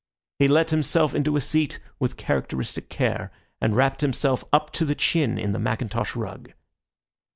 He let himself into a seat with characteristic care, and wrapped himself up to the chin in the mackintosh rug.